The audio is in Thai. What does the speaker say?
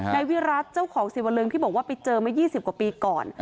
วิรัติเจ้าของสิวลึงที่บอกว่าไปเจอมา๒๐กว่าปีก่อน